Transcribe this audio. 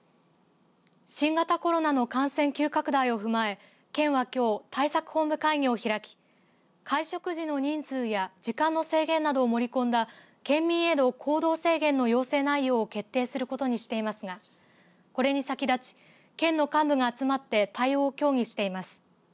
新型コロナの感染急拡大を踏まえ県は、きょう対策本部会議を開き会食時の人数や時間の制限などを盛り込んだ県民への行動制限の要請内容を決定することにしていますがこれに先立ち県の幹部が集まって対応を協議しています。